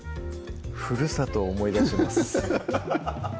ふるさとを思い出します